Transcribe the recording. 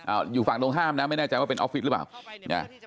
อยู่ฝั่งตรงข้ามนะไม่แน่ใจว่าเป็นออฟฟิศหรือเปล่านะ